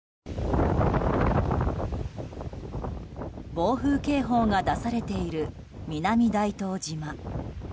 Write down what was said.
暴風警報が出されている南大東島。